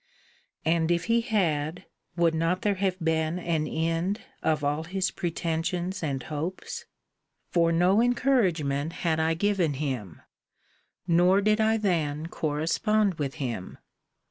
And if he had, would not there have been an end of all his pretensions and hopes? For no encouragement had I given him; nor did I then correspond with him.